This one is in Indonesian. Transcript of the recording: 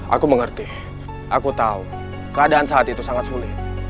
aku mengerti aku tahu keadaan saat itu sangat sulit